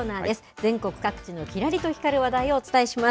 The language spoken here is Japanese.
全国各地のきらりと光る話題をお伝えします。